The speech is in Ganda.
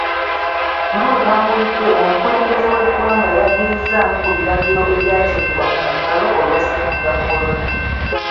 Nga bwe mwawulidde, Omukulembeze w'Eggwanga yaddirizzaamu ku biragiro ebyateekebwa ku muggalo olwa ssenyiga Kolona.